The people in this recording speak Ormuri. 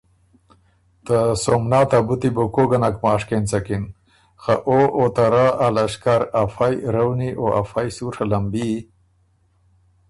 ته سومنات ا بُتی بُو کوک ګۀ نک ماشک اېنڅکِن، خه او او ته رۀ ا لشکر افئ رؤنی او افئ سُوڒه لمبي